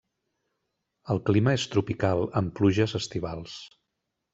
El clima és tropical, amb pluges estivals.